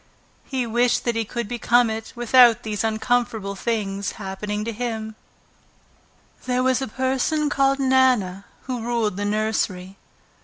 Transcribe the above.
He wished that he could become it without these uncomfortable things happening to him. There was a person called Nana who ruled the nursery.